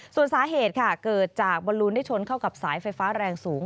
ส่วนสาเหตุค่ะเกิดจากบอลลูนได้ชนเข้ากับสายไฟฟ้าแรงสูง